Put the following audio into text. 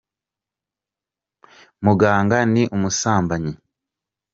Muganga ni umusambanyi.